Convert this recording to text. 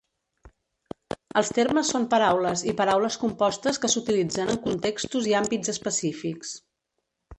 Els termes són paraules i paraules compostes que s'utilitzen en contextos i àmbits específics.